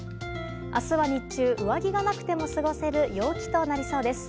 明日は日中、上着がなくても過ごせる陽気となりそうです。